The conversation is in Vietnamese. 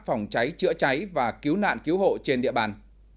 phòng cháy chữa cháy và cứu nạn cứu hộ trên địa bàn